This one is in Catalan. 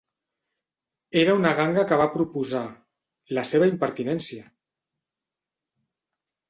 Era una ganga que va proposar: la seva impertinència !